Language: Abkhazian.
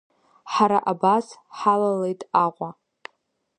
Ҳара абас ҳалалеит Аҟәа.